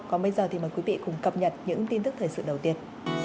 còn bây giờ thì mời quý vị cùng cập nhật những tin tức thời sự đầu tiên